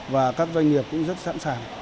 và các doanh nghiệp cũng rất sẵn sàng